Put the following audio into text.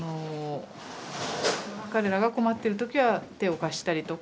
彼らが困ってる時は手を貸したりとか。